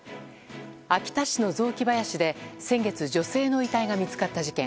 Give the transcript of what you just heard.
秋田市の雑木林で、先月女性の遺体が見つかった事件。